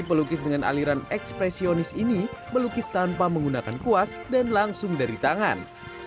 pelukis dengan aliran ekspresionis ini melukis tanpa menggunakan kuas dan langsung dari tangan